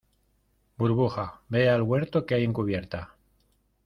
burbuja, ve al huerto que hay en cubierta